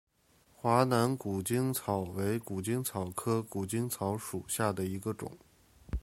华南谷精草为谷精草科谷精草属下的一个种。